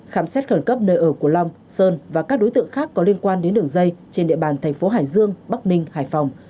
khám xét khẩn cấp nơi ở của long sơn và các đối tượng khác có liên quan đến đường dây trên địa bàn thành phố hải dương bắc ninh hải phòng